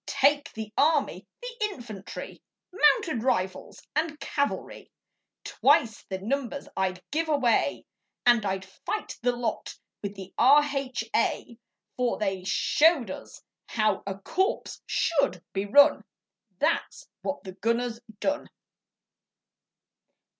Take the army the infantry, Mounted rifles, and cavalry, Twice the numbers I'd give away, And I'd fight the lot with the R.H.A., For they showed us how a corps SHOULD be run, That's what the gunners done!